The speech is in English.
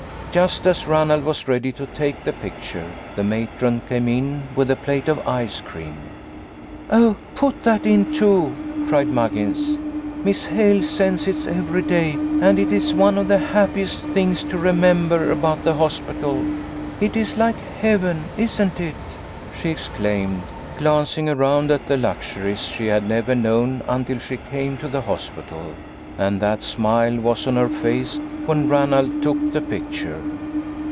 Just as Ranald was ready to take the picture, the matron came in with a plate of LLOYD MAKES A DISCOVERY. 211 ice cream. "Oh, put that in, too," cried Muggins " Miss Hale sends it every day, and it's one of the happiest things to remember about the hospital. It is like heaven, isn't it ?" she exclaimed, glancing around at the luxuries she had never known until she came to the hospital, and that smile was on her face when Ranald took the picture.